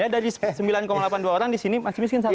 dari sembilan delapan puluh dua orang di sini masih miskin satu